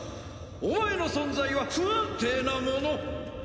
お前の存在は不安定なもの。